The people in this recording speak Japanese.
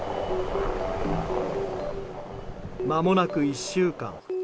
まもなく１週間。